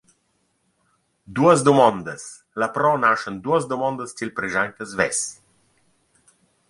Duos dumondas Lapro naschan duos dumondas ch’el preschainta svess.